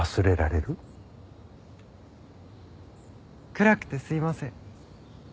暗くてすいません。